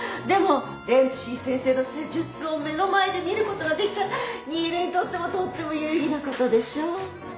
でもデンプシー先生の施術を目の前で見ることができたら新琉にとってもとっても有意義なことでしょう？